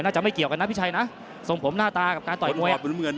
จะไม่เกี่ยวกันนะพี่ชัยนะทรงผมหน้าตากับการต่อยมวย